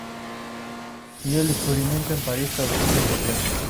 Y el descubrimiento en París causó sensación.